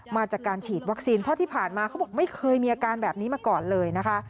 มาจากการฉีดวัคซีนเพราะที่ผ่านมาเขาบอกไม่เคยมีอาการแบบนี้มาก่อนเลยนะคะ